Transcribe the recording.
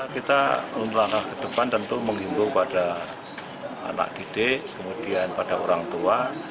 kita lalu lalu ke depan tentu menghitung pada anak didik kemudian pada orang tua